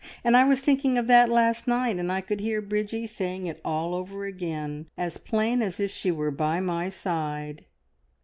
And I was thinking of that last night, and I could hear Bridgie saying it all over again, as plain as if she were by my side!"